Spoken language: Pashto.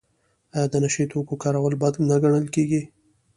آیا د نشه یي توکو کارول بد نه ګڼل کیږي؟